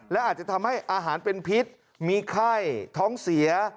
และอาจจะทำให้อาหารเป็นพิษมีไข้ท้องเสีย